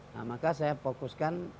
nah maka saya fokuskan